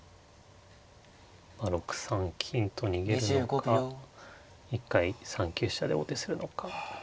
６三金と逃げるのか一回３九飛車で王手するのか。